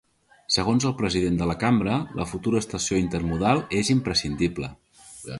Segons el president de la Cambra, la futura estació intermodal és imprescindible.